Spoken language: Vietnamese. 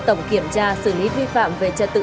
tổng kiểm tra xử lý vi phạm về trật tự